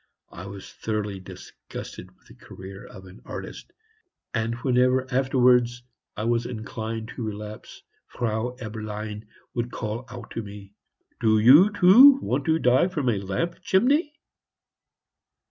I was thoroughly disgusted with the career of an artist, and whenever afterwards I was inclined to relapse, Frau Eberlein would call out to me, "Do you, too, want to die from a lamp chimney?"